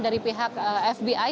dari pihak fbi